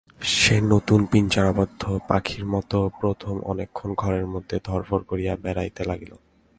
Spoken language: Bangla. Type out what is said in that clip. সে নূতন পিঞ্জরাবদ্ধ পাখির মতো প্রথম অনেকক্ষণ ঘরের মধ্যে ধড়ফড় করিয়া বেড়াইতে লাগিল।